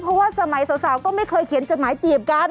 เพราะว่าสมัยสาวก็ไม่เคยเขียนจดหมายจีบกัน